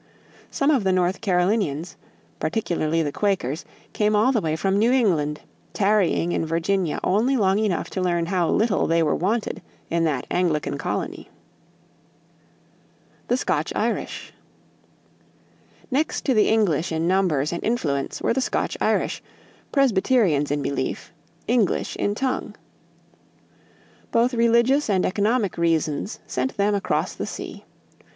Some of the North Carolinians, particularly the Quakers, came all the way from New England, tarrying in Virginia only long enough to learn how little they were wanted in that Anglican colony. =The Scotch Irish.= Next to the English in numbers and influence were the Scotch Irish, Presbyterians in belief, English in tongue. Both religious and economic reasons sent them across the sea.